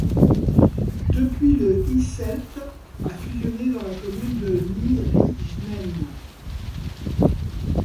Depuis le Heesselt a fusionné dans la commune de Neerijnen.